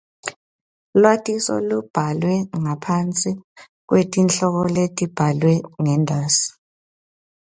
Lwatiso lubhalwe ngaphasi kwetihloko letibhalwe ngentasi.